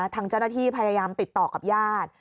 ทางเจ้าหน้าที่พยายามติดต่อกับญาติ